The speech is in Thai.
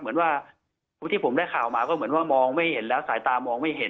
เหมือนว่าที่ผมได้ข่าวมาก็เหมือนว่ามองไม่เห็นแล้วสายตามองไม่เห็น